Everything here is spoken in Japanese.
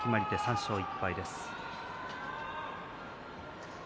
３勝１敗です。